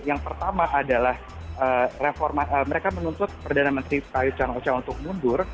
yang pertama adalah reformat mereka menuntut perdana menteri pak yudhjana ocha untuk mundur